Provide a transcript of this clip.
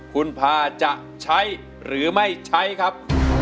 คุณพาจะใช้หรือไม่ใช้ครับ